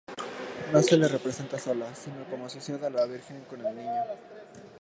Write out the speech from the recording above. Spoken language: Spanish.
No se la representa sola, sino asociada a la virgen con el niño.